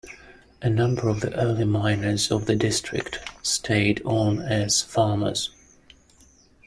A number of the early miners of the district stayed on as farmers.